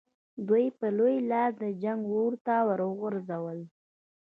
دوی په لوی لاس د جنګ اور ته وغورځول.